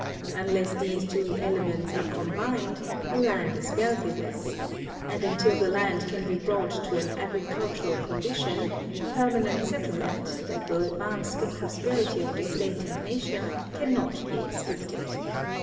Unless these two elements are combined, the land is valueless, and until the land can be brought to an agricultural condition, permanent settle ment, that will advance the prosperity of the state and nation, cannot be expected.